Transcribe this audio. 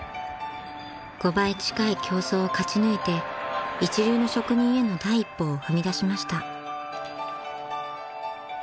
［５倍近い競争を勝ち抜いて一流の職人への第一歩を踏み出しました］